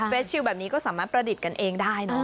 ชิลแบบนี้ก็สามารถประดิษฐ์กันเองได้เนอะ